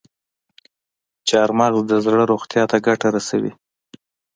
چارمغز د زړه روغتیا ته ګټه رسوي.